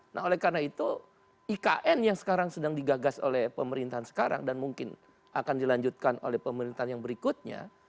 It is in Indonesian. nah oleh karena itu ikn yang sekarang sedang digagas oleh pemerintahan sekarang dan mungkin akan dilanjutkan oleh pemerintahan yang berikutnya